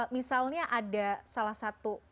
misalnya ada salah satu